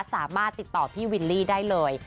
สามารถติดต่อพี่วิลลี่ได้เลย